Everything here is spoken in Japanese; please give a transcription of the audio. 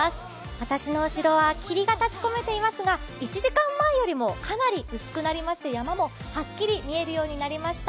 私の後ろは霧が立ちこめていますが、１時間前よりもかなり薄くなりまして山もはっきり見えるようになりました。